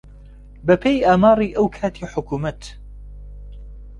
بەپێی ئاماری ئەو کاتی حکوومەت